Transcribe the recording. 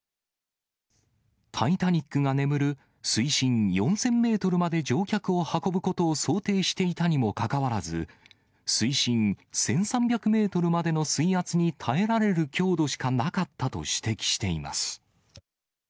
タイタニックが眠る水深４０００メートルまで乗客を運ぶことを想定していたにもかかわらず、水深１３００メートルまでの水圧に耐えられる強度しかなかったと指摘しています。